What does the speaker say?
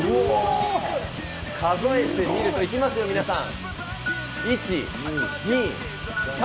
数えてみると、いきますよ、皆さん。